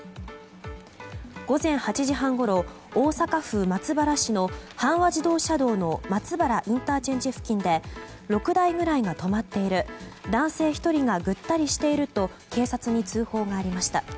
午前８時半ごろ、大阪府松原市の阪和自動車道の松原ＩＣ付近で６台ぐらいが止まっている男性１人がぐったりしていると警察に通報がありました。